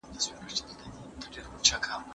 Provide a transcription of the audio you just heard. استاد د شاګرد تېروتني په ګوته نه کړې.